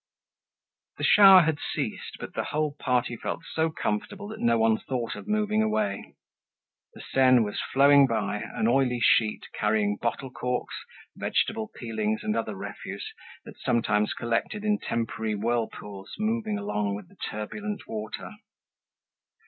The shower had ceased but the whole party felt so comfortable that no one thought of moving away. The Seine was flowing by, an oily sheet carrying bottle corks, vegetable peelings, and other refuse that sometimes collected in temporary whirlpools moving along with the turbulent water.